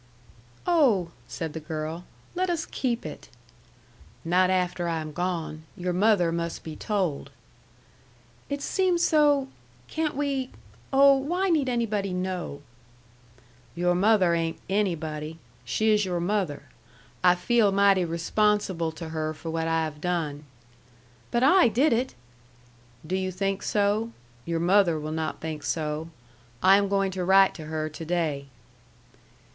"Oh!" said the girl. "Let us keep it." "Not after I am gone. Your mother must be told." "It seems so can't we oh, why need anybody know?" "Your mother ain't 'anybody.' She is your mother. I feel mighty responsible to her for what I have done." "But I did it!" "Do you think so? Your mother will not think so. I am going to write to her to day."